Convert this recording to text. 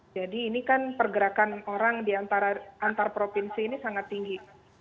jadi ini kan pergerakan orang di antar antar provinsi ini sangat tinggi